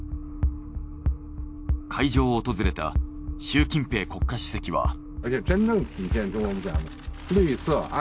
会場を訪れた習近平国家主席は。